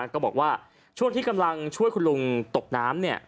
ก็บอกว่าช่วงที่กำลังช่วยคุณลุงตกน้ำ